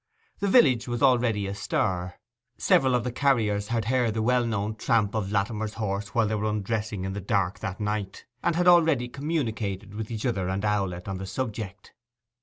The village was already astir. Several of the carriers had heard the well known tramp of Latimer's horse while they were undressing in the dark that night, and had already communicated with each other and Owlett on the subject.